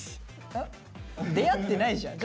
出会ってないじゃん。